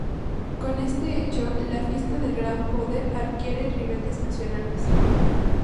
Con este hecho, la fiesta del Gran Poder adquiere ribetes nacionales.